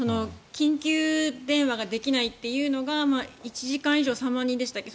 緊急電話ができないというのが１時間以上、３万人でしたっけ。